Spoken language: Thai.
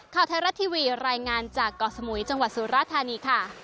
ข่าวไทยรัฐทีวีรายงานจากเกาะสมุยจังหวัดสุราธานีค่ะ